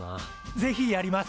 ぜひやります。